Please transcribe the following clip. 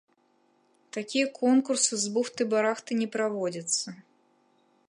Такія конкурсы з бухты-барахты не праводзяцца.